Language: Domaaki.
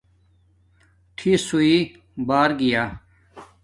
ٹھِس ہݸئئ بار گیا